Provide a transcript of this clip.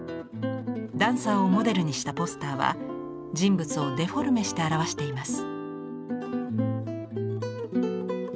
ダンサーをモデルにしたポスターは人物をデフォルメして表しています。